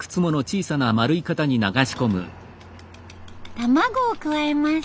卵を加えます。